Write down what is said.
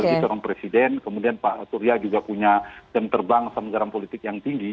alih alih terong presiden kemudian pak surya juga punya jam terbang sama jarang politik yang tinggi